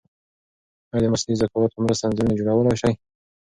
ایا د مصنوعي ذکاوت په مرسته انځورونه جوړولای شئ؟